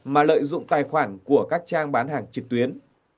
mà lợi dụng tài khoản của các trang bán hàng trực tuyến